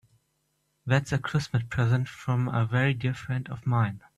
That's a Christmas present from a very dear friend of mine.